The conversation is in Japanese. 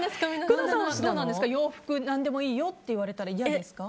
工藤さんは洋服何でもいいよって言われたら嫌ですか？